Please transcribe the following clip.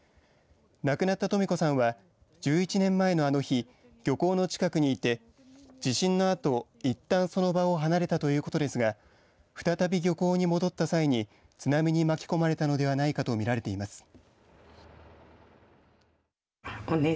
亡くなったトミ子さんは１１年前のあの日漁港の近くにいて地震のあと、いったんその場を離れたということですが再び漁港に戻った際に津波に巻き込まれたのではないかとみられています。